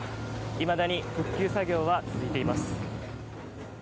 いまだに復旧作業は続いています。